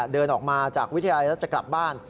เดินออกมาจากวิทยาลัยแล้วจะกลับบ้าน